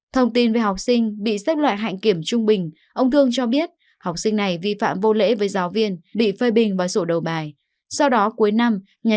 thông tin về học sinh bị xếp loại hạnh kiểm trung bình ông thương cho biết học sinh này vi phạm vô lễ với giáo viên bị phê bình và sổ đầu bài